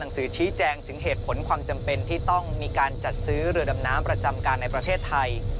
ซึ่งมีการจัดซื้อเรือดำน้ำประจำการในประเทศไทย